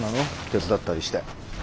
手伝ったりして。